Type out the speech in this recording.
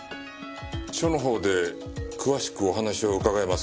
署のほうで詳しくお話を伺えますか？